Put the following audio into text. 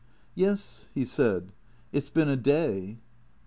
" Yes^" he said, " it 's been a day."